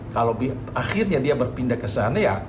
kalau akhirnya dia berpindah ke sana ya